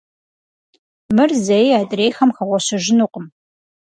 Мыр зэи адрейхэм хэгъуэщэжынукъым.